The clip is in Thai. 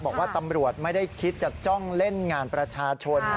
บอกว่าตำรวจไม่ได้คิดจะจ้องเล่นงานประชาชน